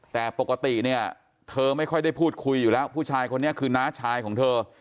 แต่ปกติเนี่ยเธอไม่ค่อยได้พูดคุยอยู่แล้วผู้ชายคนนี้คือน้าชายของเธอ